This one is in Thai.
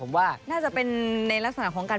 น่าจะเป็นในลักษณะของกัน